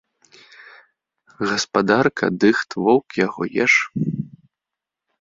Гаспадарка дыхт, воўк яго еш.